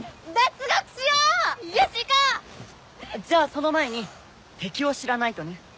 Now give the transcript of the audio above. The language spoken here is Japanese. じゃあその前に敵を知らないとね。